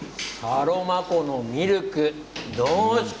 サロマ湖のミルク濃縮！